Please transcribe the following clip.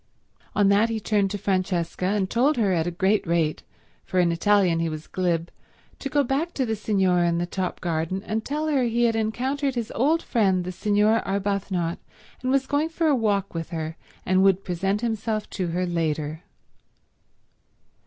On that he turned to Francesca, and told her at a great rate, for in Italian he was glib, to go back to the Signora in the top garden and tell her he had encountered his old friend the Signora Arbuthnot, and was going for a walk with her and would present himself to her later.